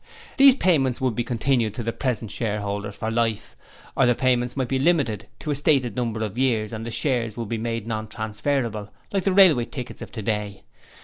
These payments would be continued to the present shareholders for life, or the payments might be limited to a stated number of years and the shares would be made non transferable, like the railway tickets of today.